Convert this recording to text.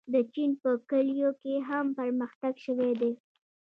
د چین په کلیو کې هم پرمختګ شوی دی.